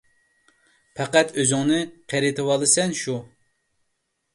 پەقەت ئۆزۈڭنى قېرىتىۋالىسەن شۇ!